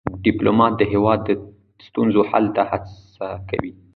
ډيپلومات د هیواد د ستونزو حل ته هڅه کوي.